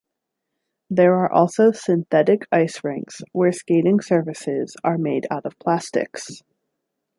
There are also synthetic ice rinks where skating surfaces are made out of plastics.